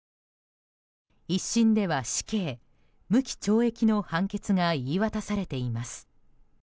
１審では死刑・無期懲役の判決が言い渡されています。